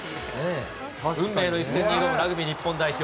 運命の一戦に挑むラグビー日本代表。